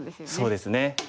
そうですね。